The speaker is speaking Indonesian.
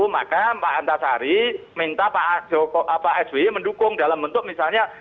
maka pak antasari minta pak sby mendukung dalam bentuk misalnya